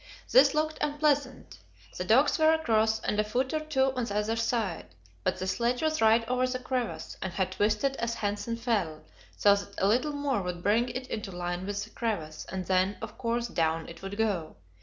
This looked unpleasant. The dogs were across, and a foot or two on the other side, but the sledge was right over the crevasse, and had twisted as Hanssen fell, so that a little more would bring it into line with the crevasse, and then, of course, down it would go.